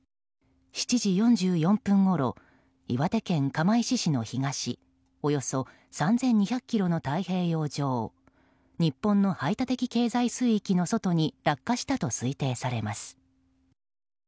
７時４４分ごろ岩手県釜石市の東およそ３２００ｋｍの太平洋上日本の排他的経済水域の外に落下したと推定されます。